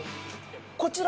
こちら。